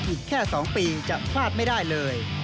อีกแค่๒ปีจะพลาดไม่ได้เลย